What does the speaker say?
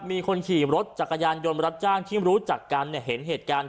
มีคนขี่รถจักรยานยนต์รับจ้างที่รู้จักกันเนี่ยเห็นเหตุการณ์